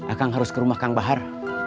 akang harus ke rumah kang bahar